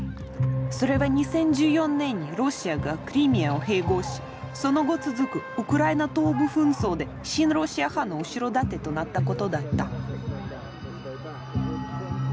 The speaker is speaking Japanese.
それは２０１４年にロシアがクリミアを併合しその後続くウクライナ東部紛争で親ロシア派の後ろ盾となったことだった。